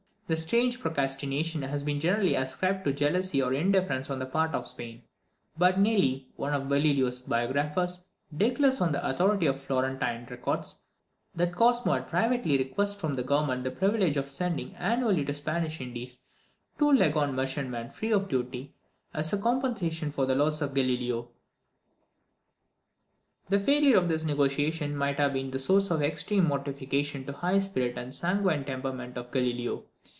This strange procrastination has been generally ascribed to jealousy or indifference on the part of Spain; but Nelli, one of Galileo's biographers, declares, on the authority of Florentine records, that Cosmo had privately requested from the government the privilege of sending annually to the Spanish Indies two Leghorn merchantmen free of duty, as a compensation for the loss of Galileo! The failure of this negotiation must have been a source of extreme mortification to the high spirit and sanguine temperament of Galileo.